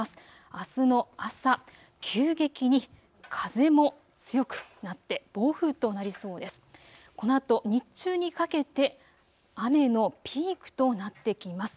あすの朝、急激に風も強くなって暴風となりそうです。